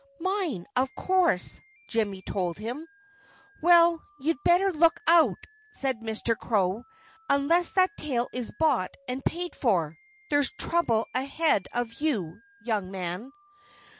"Mine, of course!" Jimmy told him. "Well, you'd better look out!" said Mr. Crow. "Unless that tail is bought and paid for, there's trouble ahead of you, young man."